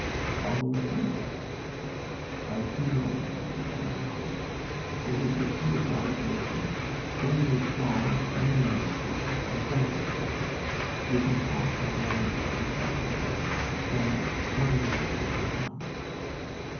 "How will it end?" I asked him. "I see no end to it," he answered. "It is the suicide of nations. Germany is strong, and England is strong, and France is strong. It is impossible for one side to crush the other, so when is the end to come?"